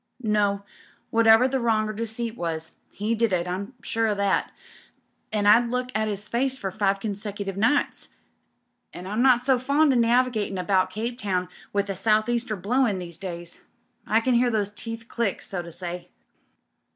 "No. Whatever the wrong or deceit was, he did it, I'm sure o' that. I 'ad to look at 'is face for five consecutive nights. I'm not so fond o' navigatin' about Cape Town with a South Easter blowin* these days. I can hear those teeth ciick, so to say."